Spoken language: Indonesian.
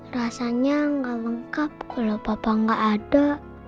rasanya gak lengkap kalau papa gak ada